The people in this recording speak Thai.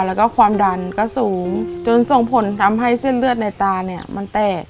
แล้วก็ความดันก็สูงจนส่งผลทำให้เส้นเลือดในตาเนี่ยมันแตก